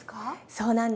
そうなんです。